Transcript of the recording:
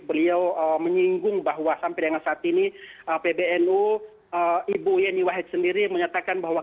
beliau menyinggung bahwa sampai dengan saat ini pbnu ibu yeni wahid sendiri menyatakan bahwa